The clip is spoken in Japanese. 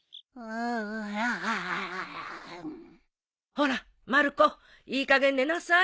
ほらまる子いいかげん寝なさい。